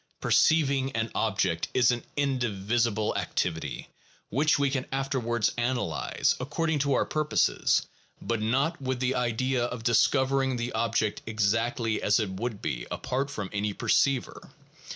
Perceiving an object is an indivisible activity, which we can afterwards analyze, according to our purposes, but not with the idea of discovering the object exactly as it would be apart from any perceiver.